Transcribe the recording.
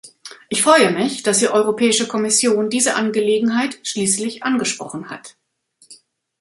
Ich freue mich, dass die Europäische Kommission diese Angelegenheit schließlich angesprochen hat.